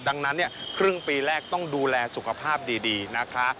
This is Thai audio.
ดังนั้นเนี่ยครึ่งปีแรกต้องดูแลสุขภาพดีนะคะ